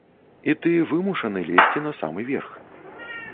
І ты вымушаны лезці на самы верх.